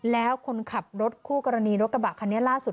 แล้วคนขับรถคู่กรณีรถกระบะคันนี้ล่าสุด